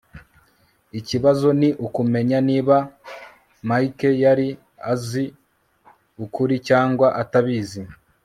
ikibazo ni ukumenya niba mike yari azi ukuri cyangwa atabizi